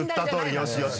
よしよし。